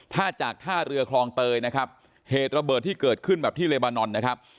ถ้าจากท่าเรือคลองเตยนะครับเหตุระเบิดที่เกิดขึ้นแบบที่เลบานอนนะครับ